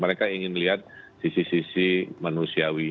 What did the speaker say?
mereka ingin lihat sisi sisi manusiawi